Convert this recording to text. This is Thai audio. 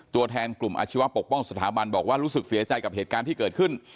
ตัวแทนกลุ่มอาชีวะปกป้องสถาบันบอกว่ารู้สึกเสียใจกับเหตุการณ์ที่เกิดขึ้น